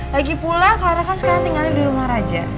lagi pula clara kan sekarang tinggal di rumah raja